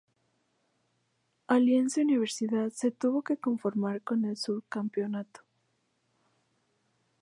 Alianza Universidad se tuvo que conformar con el subcampeonato.